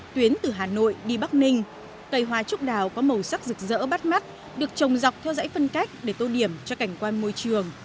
tuyến từ hà nội đi bắc ninh cây hoa trúc đào có màu sắc rực rỡ bắt mắt được trồng dọc theo dãy phân cách để tô điểm cho cảnh quan môi trường